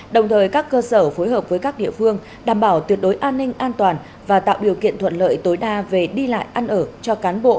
đồng thời các cơ sở phối hợp với các địa phương đảm bảo tuyệt đối an ninh an toàn và tạo điều kiện thuận lợi tối đa về đi lại ăn ở cho cán bộ